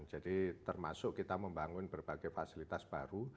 jadi termasuk kita membangun berbagai fasilitas baru